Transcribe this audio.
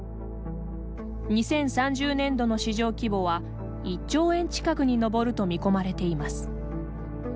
２０３０年度の市場規模は１兆円近くに上ると見込まれています。